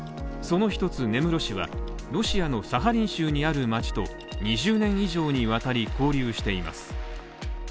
その一つ、根室市はロシアのサハリン州にある街と２０年以上にわたり、交流しています。